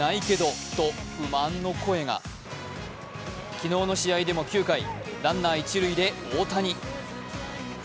昨日の試合でも９回ランナー一塁で大谷。